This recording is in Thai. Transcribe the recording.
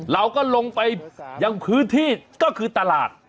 เราก็ลงไปยังพื้นที่ก็คือตลาด